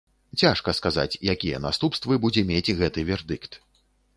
Цяжка сказаць, якія наступствы будзе мець гэты вердыкт.